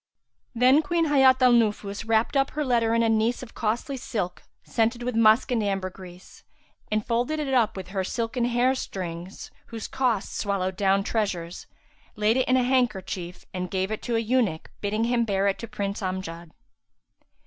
Then Queen Hayat al Nufus wrapped up her letter in a niece of costly silk scented with musk and ambergris; and folded it up with her silken hair strings[FN#358] whose cost swallowed down treasures laid it in a handkerchief and gave it to a eunuch bidding him bear it to Prince Amjad.